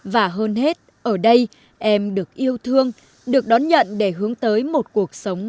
và hơn hết ở đây em được yêu thương được đón nhận để hướng tới một cuộc sống